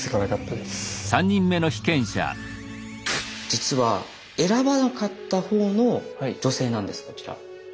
実は選ばなかったほうの女性なんですこちら。